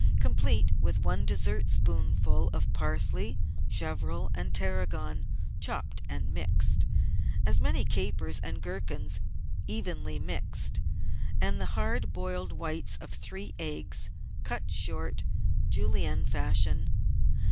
Complete with one dessertspoonful of parsley, chervil, and tarragon (chopped and mixed), as many capers and gherkins, evenly mixed, and the hard boiled whites of three eggs, cut short, Julienne fashion.